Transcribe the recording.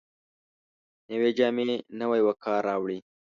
نوې جامې نوی وقار راوړي